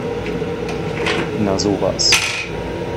Na sowas!